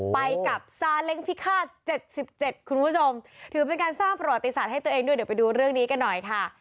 ไปกับซาเล้งพิฆาต๗๗คุณผู้ชมถือเป็นการสร้างประวัติศาสตร์ให้ตัวเองด้วยเดี๋ยวไปดูเรื่องนี้กันหน่อยค่ะ